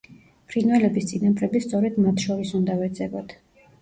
ფრინველების წინაპრები სწორედ მათ შორის უნდა ვეძებოთ.